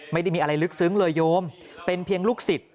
ไม่ได้มีอะไรลึกซึ้งเลยโยมเป็นเพียงลูกศิษย์